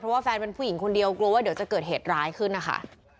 ว่าแฟนเป็นผู้หญิงคนเดียวกลัวว่าเดี๋ยวจะเกิดเหตุร้ายขึ้นนะคะ